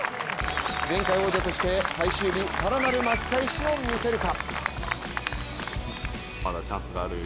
前回王者として最終日更なる巻き返しを見せるか。